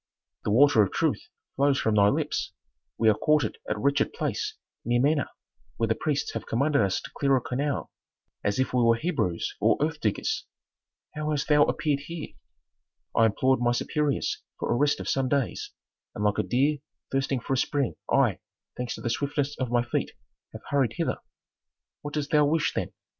"The water of truth flows from thy lips. We are quartered at a wretched place near Mena where the priests have commanded us to clear a canal, as if we were Hebrews or earth diggers." "How hast thou appeared here?" "I implored my superiors for a rest of some days, and like a deer thirsting for a spring I, thanks to the swiftness of my feet, have hurried hither " "What dost thou wish, then?"